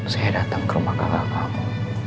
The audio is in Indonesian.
saya datang ke rumah kakak kamu